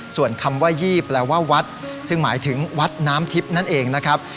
ส่วนคำว่ายี่แปลว่าวัดซึ่งหมายถึงวัดน้ำทิพย์นั่นเองนะครับ